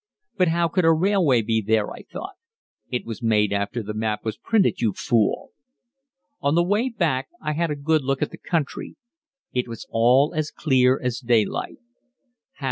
"But how could a railway be there?" I thought. "It was made after the map was printed, you fool." On the way back I had a good look at the country. It was all as clear as daylight.